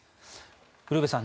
ウルヴェさん